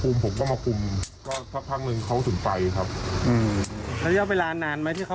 โอ้โหฝูงเพิ่งแตกรังมาค่ะ